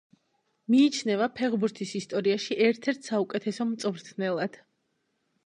მიიჩნევა ფეხბურთის ისტორიაში ერთ-ერთ საუკეთესო მწვრთნელად.